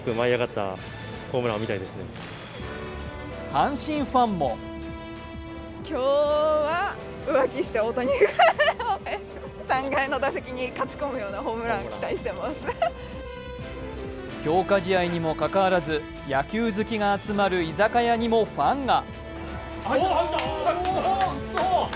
阪神ファンも強化試合にもかかわらず野球好きが集まる居酒屋にもファンが。